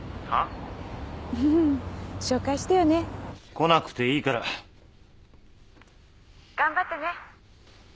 来なくていいから。頑張ってね。